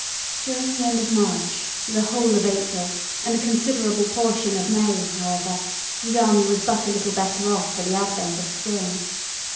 During the end of March, the whole of April, and a considerable portion of May, however, the army was but a little better off for the advent of spring.